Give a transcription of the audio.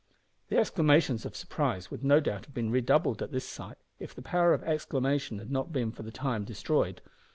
The exclamations of surprise would no doubt have been redoubled at this sight if the power of exclamation had not been for the time destroyed.